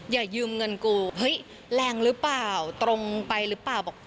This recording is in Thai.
อย่ายืมเงินกูเฮ้ยแรงหรือเปล่าตรงไปหรือเปล่าบอก